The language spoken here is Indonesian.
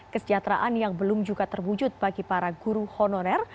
kesejahteraan yang belum juga terwujud bagi para guru honorer